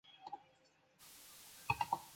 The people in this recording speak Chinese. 勿吉古肃慎地也。